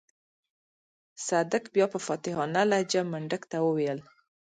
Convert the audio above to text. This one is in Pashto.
صدک بيا په فاتحانه لهجه منډک ته وويل.